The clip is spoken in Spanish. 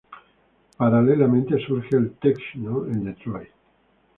Paralelamente, surge el "techno" en Detroit.